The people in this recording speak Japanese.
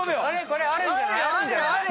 これあるんじゃない？